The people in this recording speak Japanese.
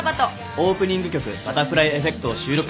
オープニング曲『バタフライエフェクト』を収録した。